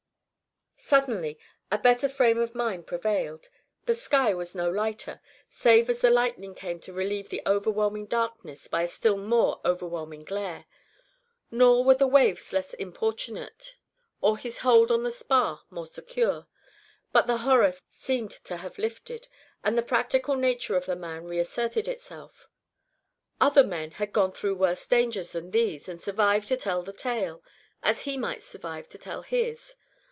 Suddenly a better frame of mind prevailed. The sky was no lighter, save as the lightning came to relieve the overwhelming darkness by a still more overwhelming glare, nor were the waves less importunate or his hold on the spar more secure; but the horror seemed to have lifted, and the practical nature of the man reasserted itself. Other men had gone through worse dangers than these and survived to tell the tale, as he might survive to tell his.